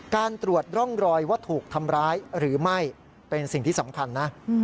การตรวจร่องรอยว่าถูกทำร้ายหรือไม่เป็นสิ่งที่สำคัญนะ